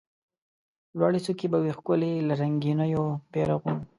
لوړي څوکي به وي ښکلي له رنګینو بیرغونو